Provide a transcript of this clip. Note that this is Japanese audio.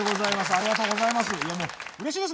ありがとうございます。